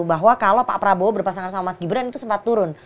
bahwa kalau pak prabowo berpasangan sama mas gibran itu sempat turun